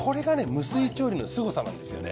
無水調理のすごさなんですよね。